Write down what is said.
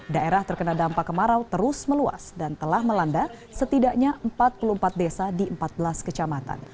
daerah terkena dampak kemarau terus meluas dan telah melanda setidaknya empat puluh empat desa di empat belas kecamatan